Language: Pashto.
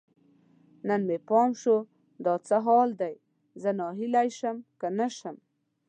نن مې پام شو، دا څه حال دی؟ زه ناهیلی شم که نه شم